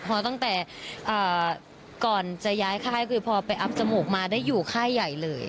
พอตั้งแต่ก่อนจะย้ายค่ายคือพอไปอัพจมูกมาได้อยู่ค่ายใหญ่เลย